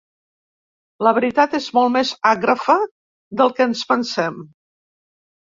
La veritat és molt més àgrafa del que ens pensem.